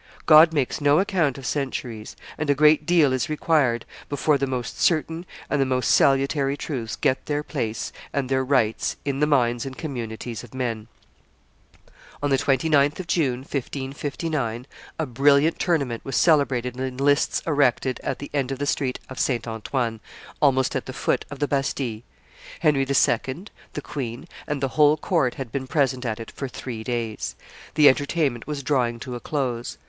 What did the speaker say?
God makes no account of centuries, and a great deal is required before the most certain and the most salutary truths get their place and their rights in the minds and communities of men. On the 29th of June, 1559, a brilliant tournament was celebrated in lists erected at the end of the street of Saint Antoine, almost at the foot of the Bastille. Henry II., the queen, and the whole court had been present at it for three days. The entertainment was drawing to a close.